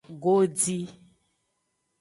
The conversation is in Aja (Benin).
Godi.